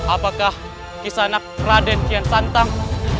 apakah kisah anak raden kian santang